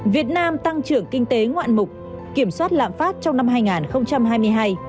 việt nam tăng trưởng kinh tế ngoạn mục kiểm soát lạm phát trong năm hai nghìn hai mươi hai